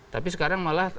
tapi sekarang malah